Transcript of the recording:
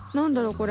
これ。